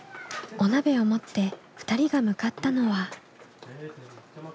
お鍋を持って２人が向かったのは。